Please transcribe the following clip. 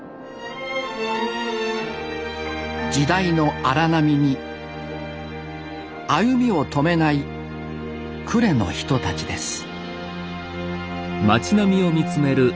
時代の荒波に歩みを止めない呉の人たちです